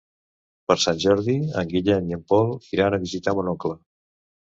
Per Sant Jordi en Guillem i en Pol iran a visitar mon oncle.